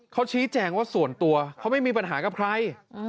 เขาชี้แจงว่าส่วนตัวเขาไม่มีปัญหากับใคร